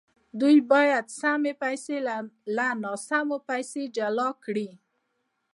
دوی باید سمې پیسې له ناسمو پیسو جلا کړي